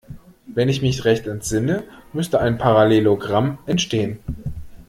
Wenn ich mich recht entsinne, müsste ein Parallelogramm entstehen.